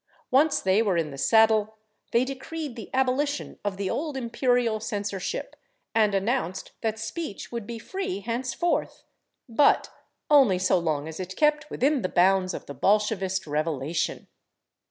Once they were in the saddle, they decreed the abolition of the old imperial censorship and announced that speech would be free henceforth—but only so long as it kept within the bounds of the Bolshevist revelation!